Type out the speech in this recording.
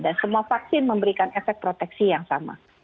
dan semua vaksin memberikan efek proteksi yang sama